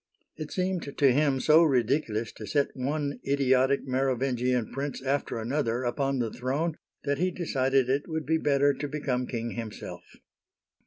It seemed to him so ridiculous to set one idiotic Merovingian prince after another upon the throne that he decided it would be better to become king himself.